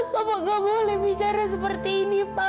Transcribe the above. papa gak boleh bicara seperti ini pak